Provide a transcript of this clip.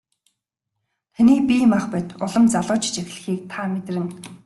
Таны бие махбод улам залуужиж эхлэхийг та мэдэрнэ.